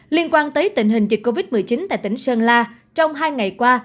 liên quan tới tình hình dịch covid một mươi chín tại tỉnh sơn la trong hai ngày qua